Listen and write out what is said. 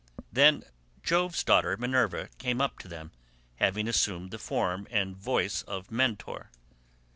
Then Jove's daughter Minerva came up to them, having assumed the form and voice of Mentor.